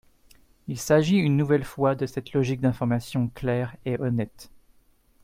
Il s’agit une nouvelle fois de cette logique d’information claire et honnête.